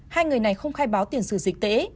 hai người này không khai báo tiền sử dịch tễ